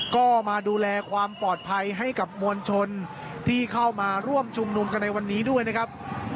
ก็มาดูแลความปลอดภัยให้กับมวลชนที่เข้ามาร่วมชุมนุมกันในวันนี้ด้วยนะครับ